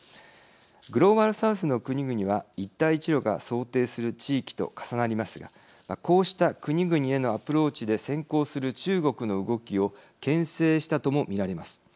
グローバル・サウスの国々は一帯一路が想定する地域と重なりますがこうした国々へのアプローチで先行する中国の動きをけん制したとも見られます。